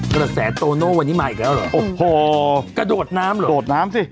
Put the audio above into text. กระแสโตโน่วันนี้มาอีกแล้วเหรอโอ้โหกระโดดน้ำเหรอโดดน้ำสิ